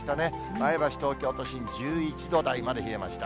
前橋、東京都心、１１度台まで冷えました。